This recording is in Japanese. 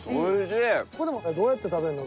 これでもどうやって食べるの？